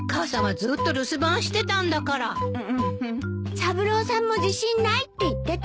三郎さんも自信ないって言ってた。